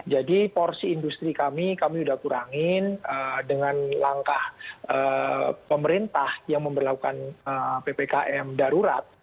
porsi industri kami kami sudah kurangin dengan langkah pemerintah yang memperlakukan ppkm darurat